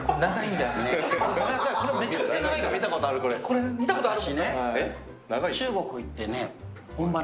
これ見たことある。